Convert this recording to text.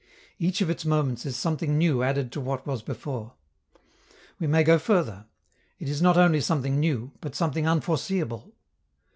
Each of its moments is something new added to what was before. We may go further: it is not only something new, but something unforeseeable.